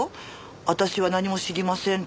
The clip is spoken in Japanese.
私は何も知りませんって。